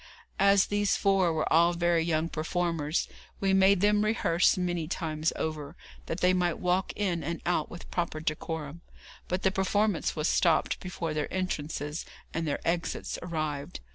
As these four were all very young performers, we made them rehearse many times over, that they might walk in and out with proper decorum; but the performance was stopped before their entrances and their exits arrived.